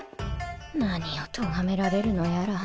何をとがめられるのやら